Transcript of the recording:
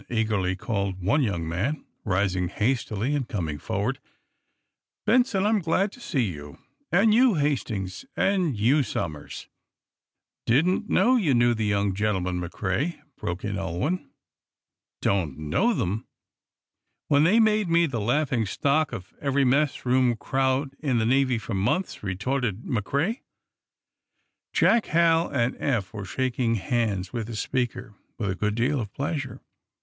eagerly called one young man, rising hastily and coming forward. "Benson, I'm glad to see you. And you, Hastings. And you, Somers." "Didn't know you knew the young gentlemen, McCrea," broke in Ulwin. "Don't know them? When they made me the laughing stock of every mess room crowd in the Navy for months!" retorted McCrea. Jack, Hal and Eph were shaking hands with the speaker with a good deal of pleasure.